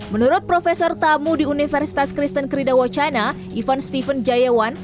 menurut profesor tamu di universitas kristen krida wacana ivan steven jayawan